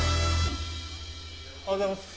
おはようございます。